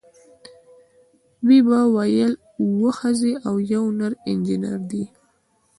دوی به ویل اوه ښځې او یو نر انجینر دی.